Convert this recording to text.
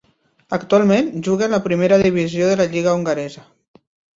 Actualment juga a la primera divisió de la lliga hongaresa.